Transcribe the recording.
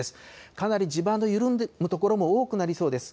かなり地盤の緩んでいる所も多くなりそうです。